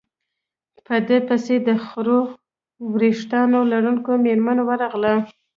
په ده پسې د خړو ورېښتانو لرونکې مېرمن ورغله.